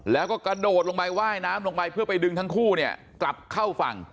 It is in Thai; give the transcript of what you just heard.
แล้วก็กระโดดลงไปว่ายน้ำลงไปเพื่อไปดึงทั้งคู่เนี่ยกลับเข้าฝั่ง